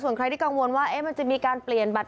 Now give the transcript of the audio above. ส่วนใครที่กังวลว่ามันจะมีการเปลี่ยนบัตร